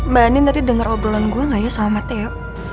mbak andin tadi denger obrolan gue gak ya sama matteo